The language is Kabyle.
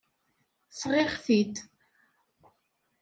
Sɣiɣ-t-id.